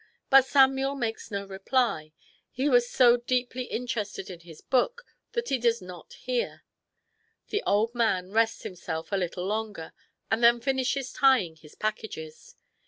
But Samuel makes no reply. He Is so deeply interested in his book that he does not hear. The old man rests himself a little longer and then fin ishes tying his packages.